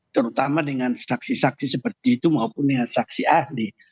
terutama dengan saksi saksi seperti itu maupun dengan saksi ahli